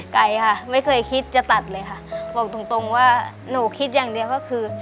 ไกลค่ะไม่เคยคิดจะตัดเลยค่ะบอกตรงตรงว่าหนูคิดอย่างเดียวก็คือ